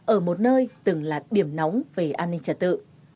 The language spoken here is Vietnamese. ở một nơi từng là điểm nóng về an ninh trật tự